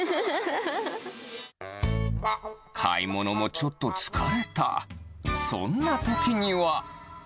買い物もちょっと疲れた、そんなときには。